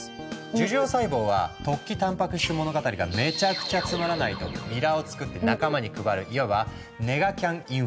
樹状細胞は「突起たんぱく質物語」がめちゃくちゃつまらないとビラをつくって仲間に配るいわばネガキャンインフルエンサーだ。